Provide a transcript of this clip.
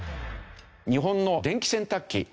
日本の電気洗濯機